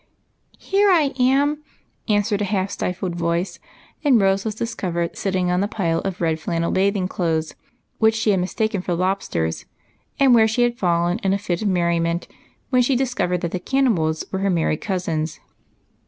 " Here I am," answered a half stifled voice, and Rose was discovered sitting on the pile of red flannel bath ing clothes, which she had mistaken for lobsters, and where she had fallen in a fit of merriment when she discovered that the cannibals were her merry cousins.